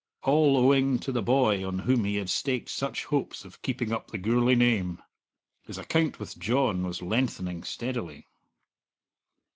All owing to the boy on whom he had staked such hopes of keeping up the Gourlay name! His account with John was lengthening steadily.